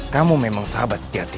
kamu memang sahabat sejati